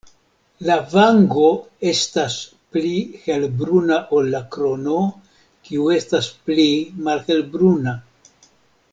La vango estas pli helbruna ol la krono kiu estas pli malhelbruna.